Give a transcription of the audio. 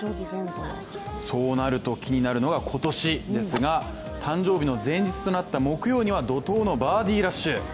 そうなると、気になるのが今年ですが誕生日の前日となった木曜には怒とうのバーディーラッシュ。